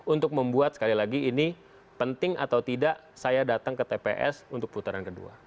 untuk membuat sekali lagi ini penting atau tidak saya datang ke tps untuk putaran kedua